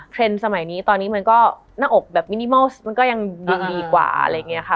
เทรนด์สมัยนี้ตอนนี้มันก็หน้าอกแบบมันก็ยังดูดีกว่าอะไรอย่างเงี้ยค่ะ